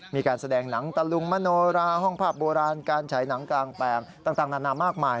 มีการแสดงหนังตะลุงมโนราห้องภาพโบราณการฉายหนังกลางแปลงต่างนานามากมาย